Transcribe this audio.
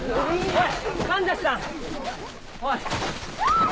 おい！